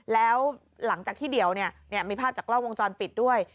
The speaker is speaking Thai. แล้วหลังจากที่เดี๋ยวมีภาพจากกล้องวงจรปิดด้วย